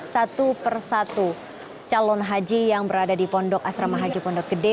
satu per satu calon haji yang berada di asrama haji pondok gede